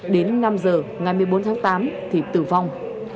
đến năm giờ ngày một mươi bốn tháng tám thì tử vong